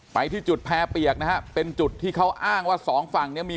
ไปที่จุดแพร่เปียกนะครับเป็นจุดที่เขาอ้างว่า๒ฝั่งมี